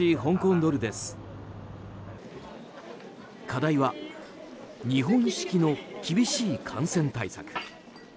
課題は日本式の厳しい感染対策。